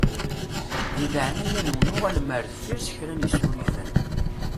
Di leɛnaya-nwen uɣalem ar deffir s kra n isurifen.